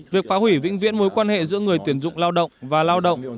việc phá hủy vĩnh viễn mối quan hệ giữa người tuyển dụng lao động và lao động